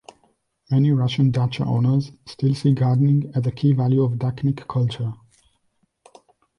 Many Russian dacha owners still see gardening as a key value of "dachnik" culture.